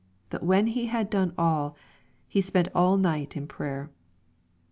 But when he had done all, he spent all night in prayer.